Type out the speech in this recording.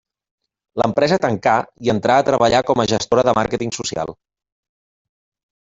L'empresa tancà i entrà a treballar com a gestora de màrqueting social.